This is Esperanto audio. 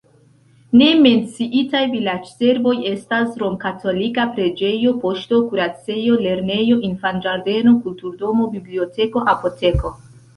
Ne menciitaj vilaĝservoj estas romkatolika preĝejo, poŝto, kuracejo, lernejo, infanĝardeno, kulturdomo, biblioteko, apoteko.